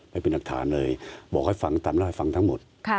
ไปเป็นหลักฐานเลยบอกให้ฟังตามเล่าให้ฟังทั้งหมด